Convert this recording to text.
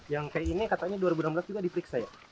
yang kayak ini katanya dua ribu enam belas juga diperiksa ya